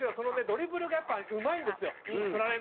ドリブルがやっぱうまいんですよ取られないしね。